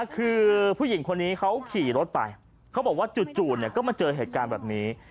คือผู้หญิงคนนี้เขาขี่รถไปเขาบอกว่าจู่ก็มาเจอเหตุการณ์แบบนี้